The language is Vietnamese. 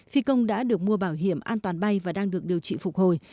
phi công đã được mua bảo hiểm an toàn bay và đang được điều trị phục hồi